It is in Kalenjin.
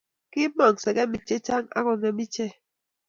kimong'u sekemik chechang ak kongem ichek